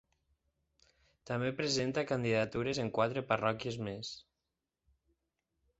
També presenta candidatures en quatre parròquies més.